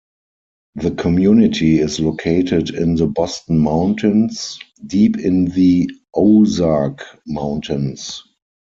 The community is located in the Boston Mountains deep in the Ozark Mountains.